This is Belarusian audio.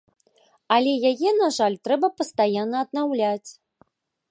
Але яе, на жаль, трэба пастаянна аднаўляць.